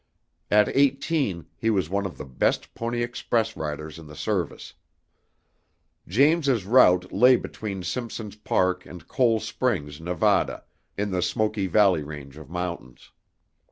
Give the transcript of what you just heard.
At eighteen, he was one of the best Pony Express riders in the service. James's route lay between Simpson's Park and Cole Springs, Nevada, in the Smoky Valley range of mountains.